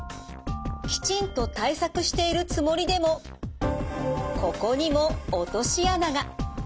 きちんと対策しているつもりでもここにも落とし穴が。